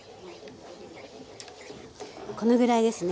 このぐらいですね。